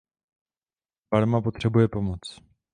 Barma potřebuje pomoc.